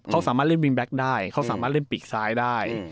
เขาสามารถเล่นวินแก๊กได้เขาสามารถเล่นปีกซ้ายได้